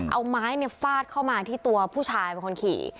เอาไม้ฟาดเข้ามาที่ตัวผู้ชายเป็นคนขี่